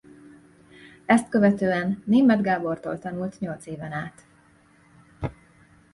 Ezt követően Németh Gábortól tanult nyolc éven át.